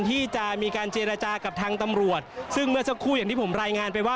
ที่จะมีการเจรจากับทางตำรวจซึ่งเมื่อสักครู่อย่างที่ผมรายงานไปว่า